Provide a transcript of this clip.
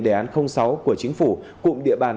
đề án sáu của chính phủ cụm địa bàn